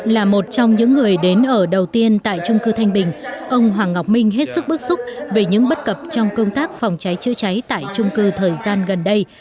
là một trong những người đến ở đầu tiên tại trung cư thanh bình ông hoàng ngọc minh hết sức bức xúc về những bất cập trong công tác phòng cháy chữa cháy tại trung cư thời gian gần đây